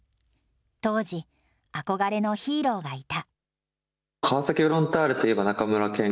当時、憧れのヒーローがいた。